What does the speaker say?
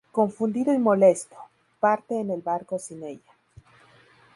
Confundido y molesto, parte en el barco sin ella.